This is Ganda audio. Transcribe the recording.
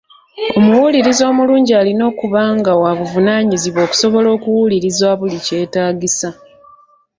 Omuwuliriza omulungi alina okuba nga wa buvunaanyizibwa okusobola okuwuliriza buli kyetaagisa.